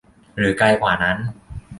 หรือไกลกว่านั้น